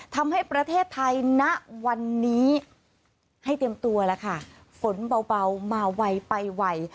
ทำให้ประเทศไทยณวันนี้ให้เตรียมตัวแล้วค่ะฝนเบามาไวไปไว